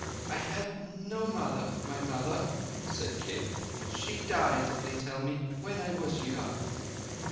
"I had no mother, my mother," said Kim. "She died, they tell me, when I was young."